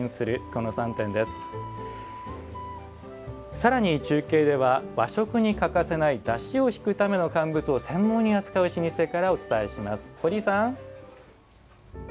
さらに中継では和食に欠かせないだしを引くための乾物を専門に扱う老舗からお伝えします。